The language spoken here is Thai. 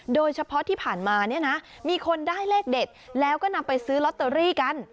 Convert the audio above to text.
โดยเฉพาะที่ผ่านมาเนี่ยนะมีคนได้เลขเด็ดแล้วก็นำไปซื้อลอตเตอรี่กัน